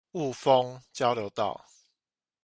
霧峰交流道